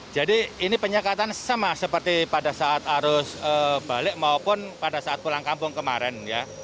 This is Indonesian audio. jadi ini penyekatan sama seperti pada saat arus balik maupun pada saat pulang kampung kemarin